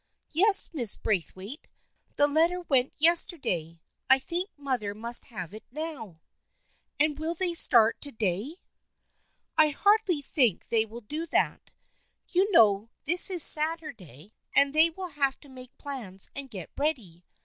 " Yes, Mrs. Braithwaite. The letter went yes terday. I think mother must have it now." " And will they start to day ?"" I hardly think they will do that. You know this is Saturday, and they will have to make plans and get ready.